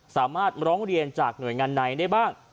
สามารถล้องเรียนจากหน่วยงานในได้บ้าง